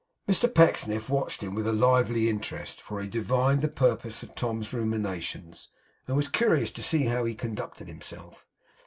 Mr Pecksniff watched him with a lively interest, for he divined the purpose of Tom's ruminations, and was curious to see how he conducted himself.